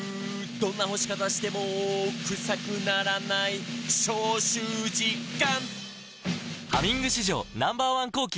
「どんな干し方してもクサくならない」「消臭実感！」